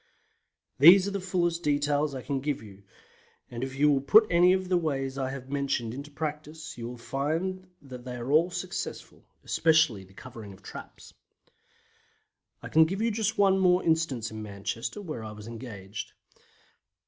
These are the fullest details I can give you, and if you will put any of the ways I have mentioned into practice you will find that they are all successful, especially the covering of traps. I can give you just one more instance in Manchester, where I was engaged.